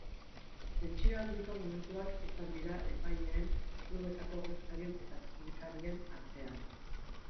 Tentsio handiko momentuak izan dira epaileen, klubetako ordezkarien eta teknikarien artean.